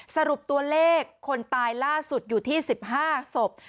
สรุปตัวเลขคนตายล่าสุดอยู่ที่๑๕ศพ